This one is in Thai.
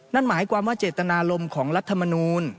นั่นหมายความว่าเจตนารมณ์ของรัฐมนูล